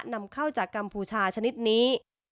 นำเข้าจากกัมพูชาชนิดนี้